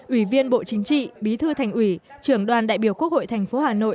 ủy viên bộ chính trị bí thư thành uỷ trường đoàn đại biểu quốc hội tp hà nội